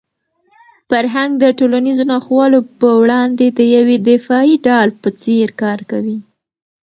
فرهنګ د ټولنیزو ناخوالو په وړاندې د یوې دفاعي ډال په څېر کار کوي.